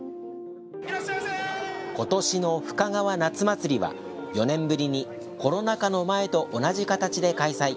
今年の、ふかがわ夏まつりは４年ぶりにコロナ禍の前と同じ形で開催。